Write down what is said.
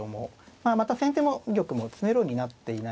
まあまた先手玉も詰めろになっていない。